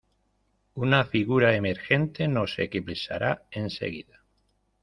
Una figura emergente nos eclipsará enseguida.